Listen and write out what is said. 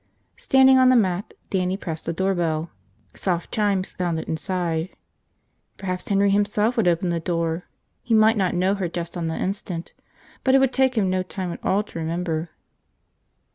Standing on the mat, Dannie pressed the doorbell. Soft chimes sounded inside. Perhaps Henry himself would open the door. He might not know her just on the instant. But it would take him no time at all to remember.